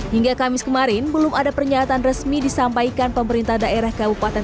hingga kamis kemarin belum ada pernyataan resmi disampaikan pemerintah daerah kabupaten